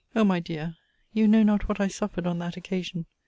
O my dear, you know not what I suffered on that occasion!